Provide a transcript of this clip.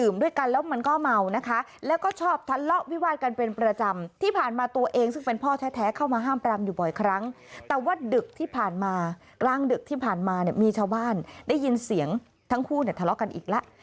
มีเช่าบ้านได้ยินเสียงทั้งคู่ทะเลาะกันอีกละ